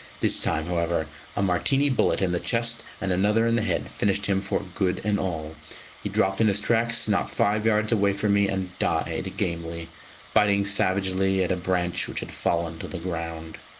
This time, however, a Martini bullet in the chest and another in the head finished him for good and all; he dropped in his tracks not five yards away from me, and died gamely, biting savagely at a branch which had fallen to the ground.